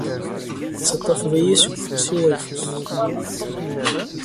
Tettaṭṭafeḍ-iyi seg ufus-iw ayeffus.